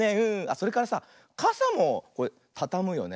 それからさあかさもたたむよね。